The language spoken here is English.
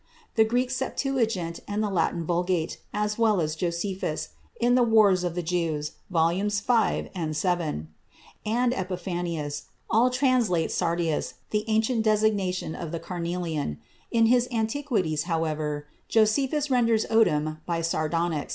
The Greek Septuagint and the Latin Vulgate, as well as Josephus, in the "Wars of the Jews" (V, 5, 7), and Epiphanius, all translate sardius, the ancient designation of carnelian; in his "Antiquities," however, Josephus renders odem by "sardonyx."